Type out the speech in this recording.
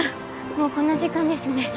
もうこんな時間ですね